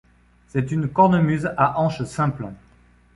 C'est une cornemuse à anches simples.